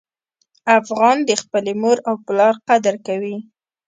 افغان د خپلې مور او پلار قدر کوي.